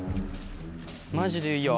マジでいいよ